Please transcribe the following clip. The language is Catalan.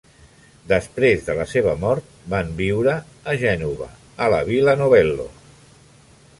Després de la seva mort, van viure a Gènova, a la Vila Novello.